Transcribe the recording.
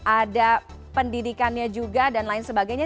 ada pendidikannya juga dan lain sebagainya